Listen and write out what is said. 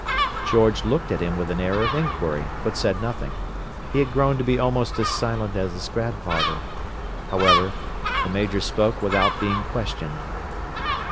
George looked at him with an air of inquiry, but said nothing. He had grown to be almost as silent as his grandfather. However, the Major spoke without being questioned.